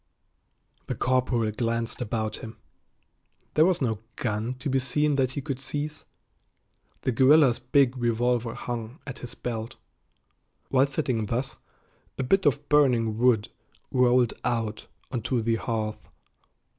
The corporal glanced about him. There was no gun to be seen that he could seize. The guerrilla's big revolver hung at his belt. While sitting thus, a bit of burning wood rolled out onto the hearth.